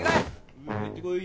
入ってこい。